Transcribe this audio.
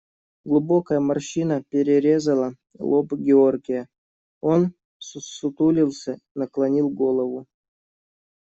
Глубокая морщина перерезала лоб Георгия, он ссутулился, наклонил голову.